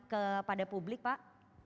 kepada publik pak